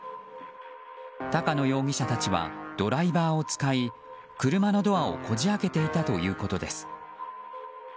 高野容疑者たちはドライバーを使い車のドアをこじ開けていたということです。